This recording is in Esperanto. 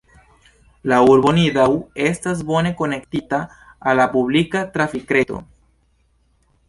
La urbo Nidau estas bone konektita al la publika trafikreto.